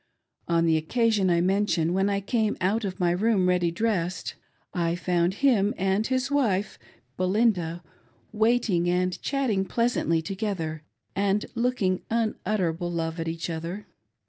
On the occasion I mention, when I came out of my room ready dressed, I found him and his wife, Be linda, waiting and chatting pleasantly together and looking unutterable love at each other.